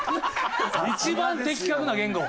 一番的確な言語。